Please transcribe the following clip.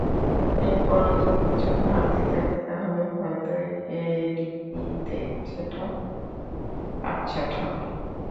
এরপরও যদি কিছু ঘাটতি থাকে, তাহলে হয়তো এডিপিতে কিছুটা কাটছাঁট হবে।